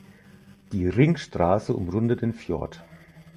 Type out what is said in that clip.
Die Ringstraße umrundet den Fjord.